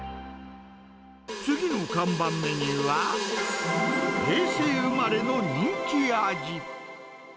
次の看板メニューは、平成生まれの人気味。